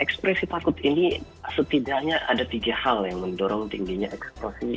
ekspresi takut ini setidaknya ada tiga hal yang mendorong tingginya ekspresi